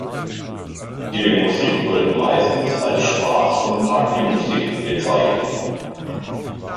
Ihre Musik wird meistens als Spaß- und Party-Musik bezeichnet.